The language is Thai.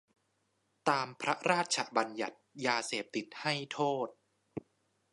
ตามพระราชบัญญัติยาเสพติดให้โทษ